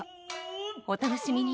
お楽しみに。